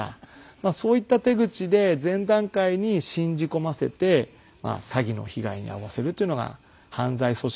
そういった手口で前段階に信じ込ませて詐欺の被害に遭わせるというのが犯罪組織の手口なんですよね。